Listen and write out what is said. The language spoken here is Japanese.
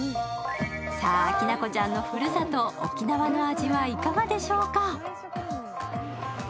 さあ、きなこちゃんのふるさと・沖縄の味はいかがでしょうか。